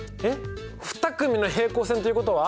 ２組の平行線ということは。